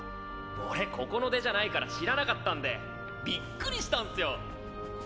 俺ここの出じゃないから知らなかったんでビックリしたんすよ。